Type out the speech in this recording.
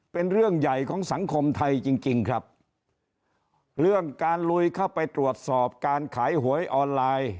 เป็นเรื่องใหญ่ของสังคมไทยจริงจริงครับเรื่องการลุยเข้าไปตรวจสอบการขายหวยออนไลน์